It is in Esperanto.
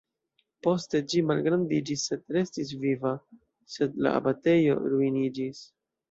Poste ĝi malgrandiĝis sed restis viva, sed la abatejo ruiniĝis.